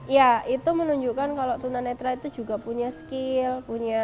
ya itu menunjukkan kalau tunanetra itu juga punya skill